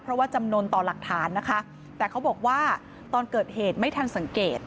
เพราะว่าจำนวนต่อหลักฐานนะคะแต่เขาบอกว่าตอนเกิดเหตุไม่ทันสังเกต